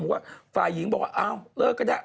มีว่าฝ่ายหญิงบอกว่าเลิกก็ได้